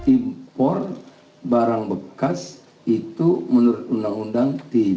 impor barang bekas itu menurut undang undang tidak bisa dihapus